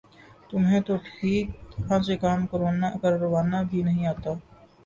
تمہیں تو ٹھیک طرح سے کام کروانا بھی نہیں آتا